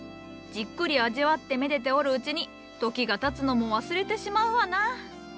じっくり味わってめでておるうちに時がたつのも忘れてしまうわな。